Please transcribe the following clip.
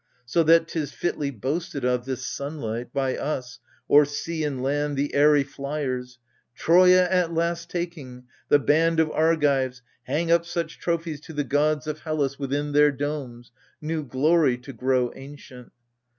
So that 'tis fitly boasted of, this sunlight, By us, o'er sea and land the aery flyers, " Troia at last taking, the band of Argives Hang up such trophies to the gods of Hellas AGAMEMNON. 49 Within their domes — new glory to grow ancient